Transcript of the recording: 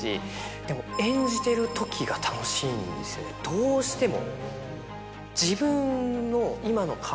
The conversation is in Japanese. どうしても。